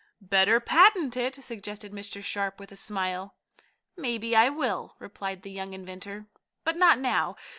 "Better patent it," suggested Mr. Sharp with a smile. "Maybe I will," replied the young inventor. "But not now.